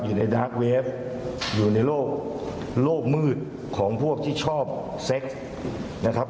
อยู่ในดาร์กเวฟอยู่ในโลกมืดของพวกที่ชอบเซ็กซ์นะครับ